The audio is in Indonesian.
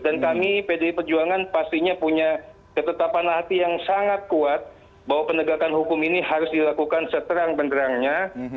dan kami pdi perjuangan pastinya punya ketetapan hati yang sangat kuat bahwa penegakan hukum ini harus dilakukan seterang benderangnya